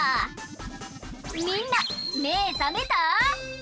みんなめさめた？